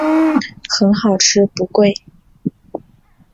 很好吃不贵